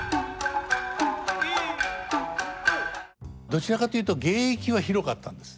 どちらかというと芸域は広かったんです。